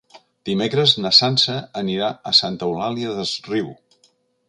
Dimecres na Sança anirà a Santa Eulària des Riu.